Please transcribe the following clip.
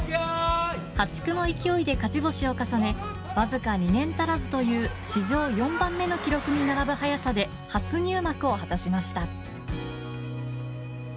破竹の勢いで勝ち星を重ね僅か２年足らずという史上４番目の記録に並ぶ早さで初入幕を果たしました。